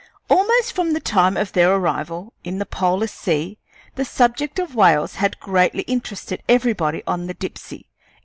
Almost from the time of their arrival in the polar sea the subject of whales had greatly interested everybody on the Dipsey.